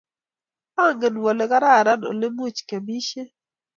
angen wole kararan ole much kiamishe.